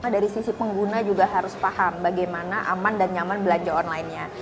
dari sisi pengguna juga harus paham bagaimana aman dan nyaman belanja online nya